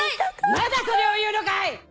まだそれを言うのかい！